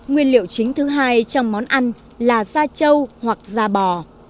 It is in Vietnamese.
nguyên liệu chính thứ hai trong món ăn là gia châu hoặc gia bò